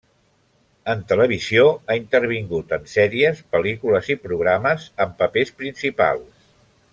En Televisió ha intervingut en sèries, pel·lícules i programes amb papers principals.